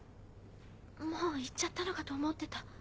もう行っちゃったのかと思ってた。